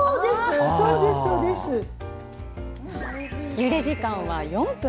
ゆで時間は４分。